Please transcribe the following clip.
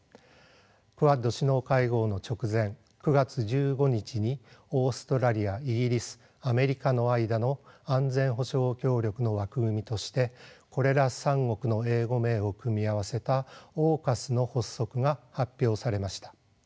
クアッド首脳会合の直前９月１５日にオーストラリアイギリスアメリカの間の安全保障協力の枠組みとしてこれら３国の英語名を組み合わせたＡＵＫＵＳの発足が発表されました。